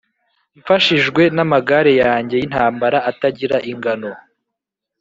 ’Mfashijwe n’amagare yanjye y’intambara atagira ingano,